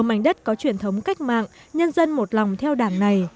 mảnh đất có truyền thống cách mạng nhân dân một lòng theo đảng này